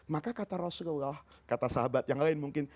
maka kata rasulullah kata sahabat yang lain mungkin